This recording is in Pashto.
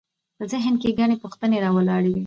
په ذهن کې ګڼې پوښتنې راولاړوي.